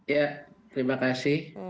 ya terima kasih